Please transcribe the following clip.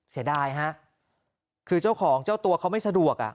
เสียดายฮะคือเจ้าของเจ้าตัวเขาไม่สะดวกอ่ะ